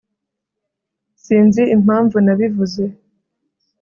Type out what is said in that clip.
sinzi impamvu nabivuze